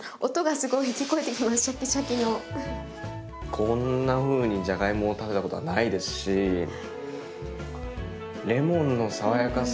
こんなふうにじゃがいもを食べたことはないですしレモンの爽やかさ。